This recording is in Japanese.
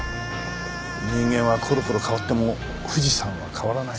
人間はころころ変わっても富士山は変わらない。